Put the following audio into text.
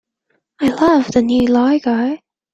I love the new logo!